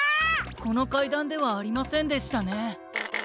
このかいだんではありませんでしたね。